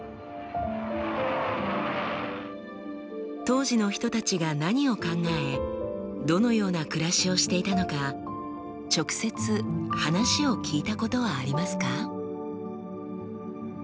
当時の人たちが何を考えどのような暮らしをしていたのか直接話を聞いたことはありますか？